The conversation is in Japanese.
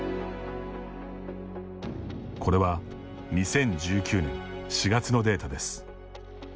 これは２０１９年４月のデータです。